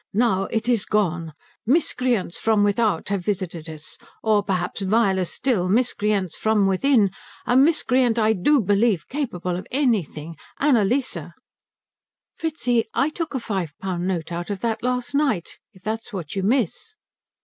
Now it is gone. Miscreants from without have visited us. Or perhaps, viler still, miscreants from within. A miscreant, I do believe, capable of anything Annalise " "Fritzi, I took a five pound note out of that last night, if that's what you miss."